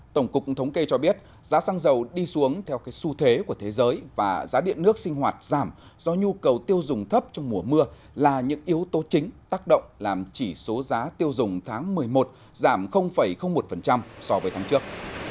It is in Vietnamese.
tổng cục thống kê cho biết giá xăng dầu đi xuống theo xu thế của thế giới và giá điện nước sinh hoạt giảm do nhu cầu tiêu dùng thấp trong mùa mưa là những yếu tố chính tác động làm chỉ số giá tiêu dùng tháng một mươi một giảm một so với tháng trước